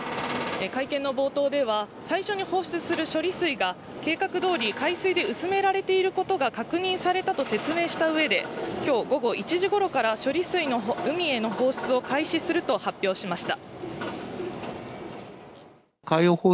会見の冒頭では、最初に放出する処理水が計画通り、海水で薄められていることが確認されたと説明したうえで、きょう午後１時ごろから処理水の海への放出を開始すると発表しました。